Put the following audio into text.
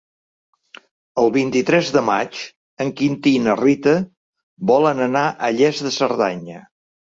El vint-i-tres de maig en Quintí i na Rita volen anar a Lles de Cerdanya.